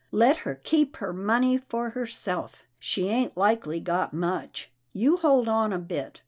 Let her keep her money for herself. She ain't likely got much. You hold on a bit.